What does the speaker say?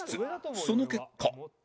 その結果